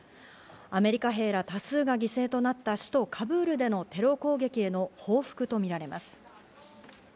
アメリカ兵ら多数が犠牲となった首都・カブールでのテロ攻撃への報復とみられます。